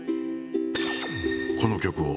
この曲を。